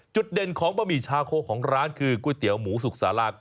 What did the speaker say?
เด่นของบะหมี่ชาโคของร้านคือก๋วยเตี๋ยวหมูสุกสารา